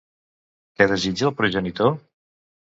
Què desitja el progenitor?